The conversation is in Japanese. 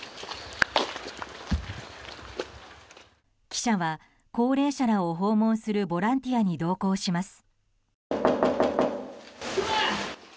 記者は高齢者らを訪問するボランティアに同行します。